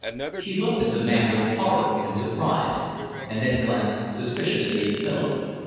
She looked at the man with horror and surprise, and then glanced suspiciously at Philip.